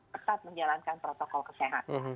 tetap menjalankan protokol kesehatan